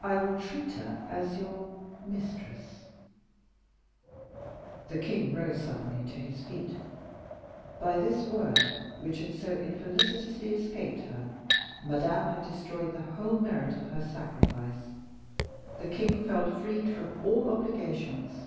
"I will treat her as your mistress." The king rose suddenly to his feet. By this word, which had so infelicitously escaped her, Madame had destroyed the whole merit of her sacrifice. The king felt freed from all obligations.